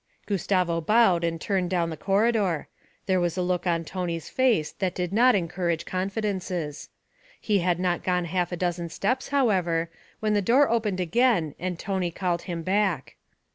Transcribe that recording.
Gustavo bowed and turned down the corridor; there was a look on Tony's face that did not encourage confidences. He had not gone half a dozen steps, however, when the door opened again and Tony called him back.